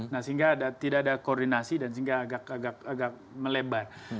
nah sehingga tidak ada koordinasi dan sehingga agak melebar